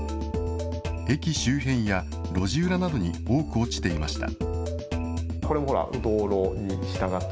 駅周辺や路地裏などに多く落ちていました。